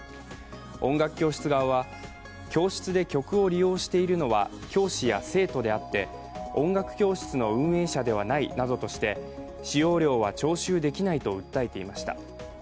音楽教室側は、教室で曲を利用しているのは教師や生徒であって音楽教室の運営者ではないなどとして、使用料は徴収できないと訴えていました。